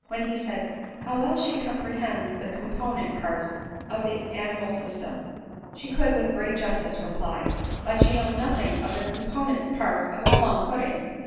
When he said, "How well she comprehends the component parts of the animal system !" She could with great justice reply, " but she knows nothing of the component parts of a plum pudding."